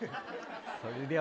それでは